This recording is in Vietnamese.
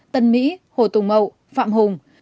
tân mỹ hồ tùng mậu phạm hùng